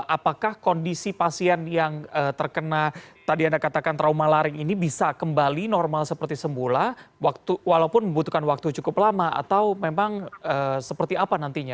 apakah kondisi pasien yang terkena tadi anda katakan trauma laring ini bisa kembali normal seperti semula walaupun membutuhkan waktu cukup lama atau memang seperti apa nantinya